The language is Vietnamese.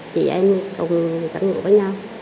chị em cùng tránh ngủ với nhau